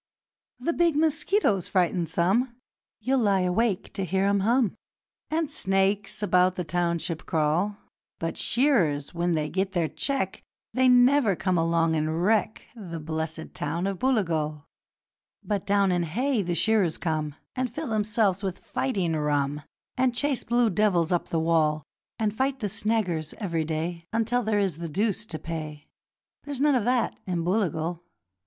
'The big mosquitoes frighten some You'll lie awake to hear 'em hum And snakes about the township crawl; But shearers, when they get their cheque, They never come along and wreck The blessed town of Booligal. 'But down in Hay the shearers come And fill themselves with fighting rum, And chase blue devils up the wall, And fight the snaggers every day, Until there is the deuce to pay There's none of that in Booligal.